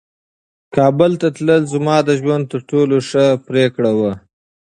کابل ته تلل زما د ژوند تر ټولو ښه پرېکړه وه.